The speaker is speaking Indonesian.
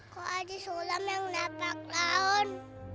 kok aji sulam yang nabrak rawun